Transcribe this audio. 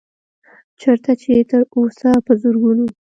چرته چې تر اوسه پۀ زرګونو